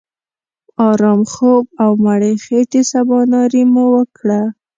آرام خوب او مړې خېټې سباناري مو وکړه.